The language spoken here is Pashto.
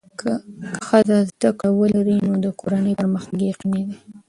که ښځه زده کړه ولري، نو د کورنۍ پرمختګ یقیني دی.